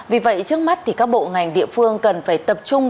vì vậy trước mắt thì các bộ ngành địa phương cần phải tập trung